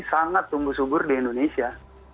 sangat tumbuh subur di indonesia